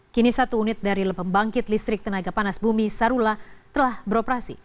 kini satu unit dari pembangkit listrik tenaga panas bumi sarula telah beroperasi